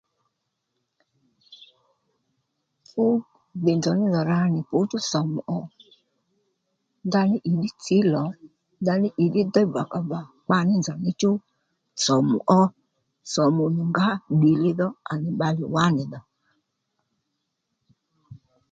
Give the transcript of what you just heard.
Fú dhì nzòw ní nzòw ra nì fǔchú somú ò ndaní ì ddí tsǐ lò ndaní ì ddí déy vàkàvà kpaní nzòw ní chú sòmù ó sòmù nì ngǎ ddì li dho à nì bbalè wá nì dhò